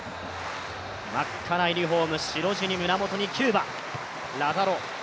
真っ赤なユニフォーム、白地に胸元にキューバ。